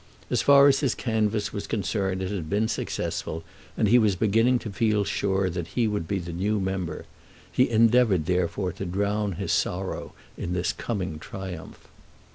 As far as his canvass was concerned it had been successful, and he was beginning to feel sure that he would be the new member. He endeavoured therefore to drown his sorrow in this coming triumph.